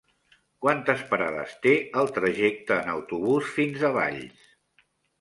Quantes parades té el trajecte en autobús fins a Valls?